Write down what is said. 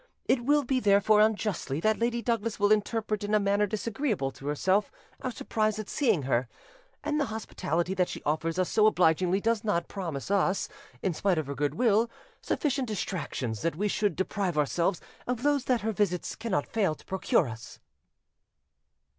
It will be therefore unjustly that Lady Douglas will interpret in a manner disagreeable to herself our surprise at seeing her; and the hospitality that she offers us so obligingly does not promise us, in spite of her goodwill, sufficient distractions that we should deprive ourselves of those that her visits cannot fail to procure us."